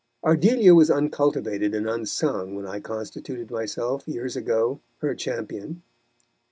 Ardelia was uncultivated and unsung when I constituted myself, years ago, her champion.